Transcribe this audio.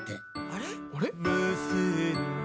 あれ？